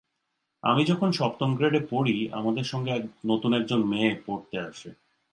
আমি যখন সপ্তম গ্রেডে পড়ি, আমাদের সঙ্গে নতুন একজন মেয়ে পড়তে আসে।